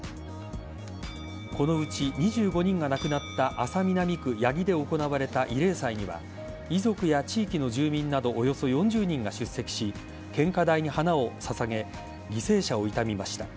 このうち２５人が亡くなった安佐南区八木で行われた慰霊祭には遺族や地域の住民などおよそ４０人が出席し献花台に花を捧げ犠牲者を悼みました。